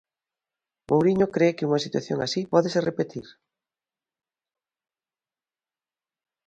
Mouriño cre que unha situación así pódese repetir.